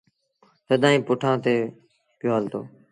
سدائيٚݩ پوٺآن تي پيو هلتو۔